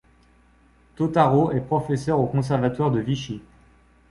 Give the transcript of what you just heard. Totaro est professeur au conservatoire de Vichy.